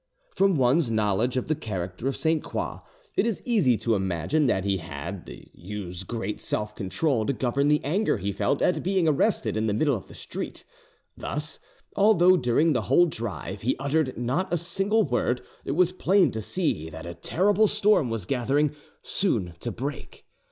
From one's knowledge of the character of Sainte Croix, it is easy to imagine that he had to use great self control to govern the anger he felt at being arrested in the middle of the street; thus, although during the whole drive he uttered not a single word, it was plain to see that a terrible storm was gathering, soon to break.